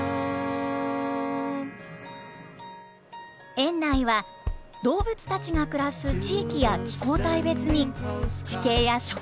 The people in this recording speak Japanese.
園内は動物たちが暮らす地域や気候帯別に地形や植物を再現。